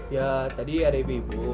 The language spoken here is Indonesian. ya tadi ada ibu ibu